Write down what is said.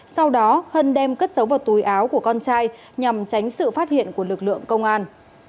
sau đó hân đem cất xấu vào túi áo của con trai nhằm tránh sự phát hiện của lực lượng công an